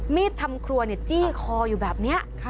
มีดทำครัวจี้คออยู่แบบนี้